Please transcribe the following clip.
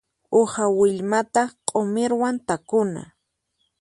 Uha willmata q'umirwan takuna.